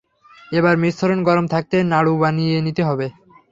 এবার মিশ্রণ গরম থাকতেই নাড়ু বানিয়ে নিতে হবে।